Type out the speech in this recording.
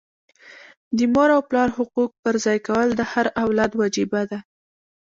د مور او پلار حقوق پرځای کول د هر اولاد وجیبه ده.